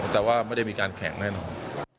แต่ว่าไม่ได้มีการแข็งแน่นอน